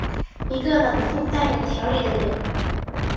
一个冷酷但有条理的人。